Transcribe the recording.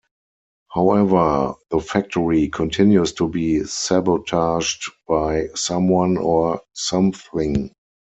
However, the factory continues to be sabotaged by someone or something.